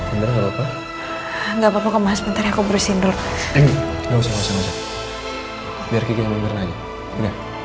enggak papa papa enggak papa papa sebentar aku berusindur biar kita menangis